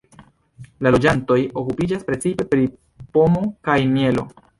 La loĝantoj okupiĝas precipe pri pomo kaj mielo.